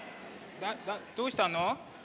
どうしたの？